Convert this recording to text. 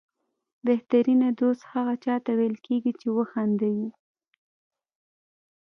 بهترینه دوست هغه چاته ویل کېږي چې وخندوي.